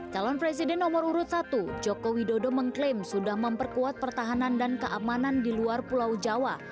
calon presiden nomor urut satu joko widodo mengklaim sudah memperkuat pertahanan dan keamanan di luar pulau jawa